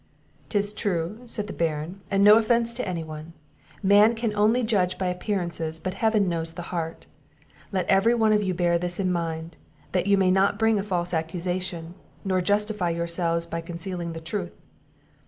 "'Tis true," said the Baron, "and no offence to any one; man can only judge by appearances, but Heaven knows the heart; Let every one of you bear this in mind, that you may not bring a false accusation, nor justify yourselves by concealing the truth.